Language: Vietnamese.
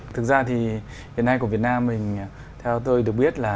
thực ra thì hiện nay của việt nam mình theo tôi được biết là